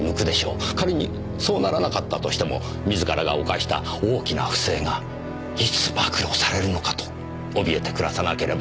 仮にそうならなかったとしても自らが犯した大きな不正がいつ暴露されるのかとおびえて暮らさなければならない。